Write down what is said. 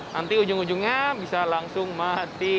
nanti ujung ujungnya bisa langsung mati